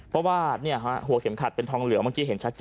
ประวาสหัวเข็มขัดเป็นทองเหลือง